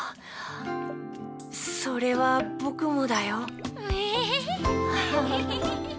それはぼくもだよ。